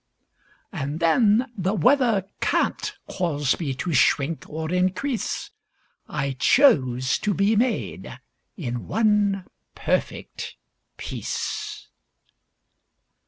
And, then, The weather can't cause me to shrink or increase: I chose to be made in one perfect piece!